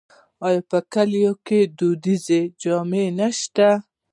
آیا په کلیو کې دودیزې جامې نشته؟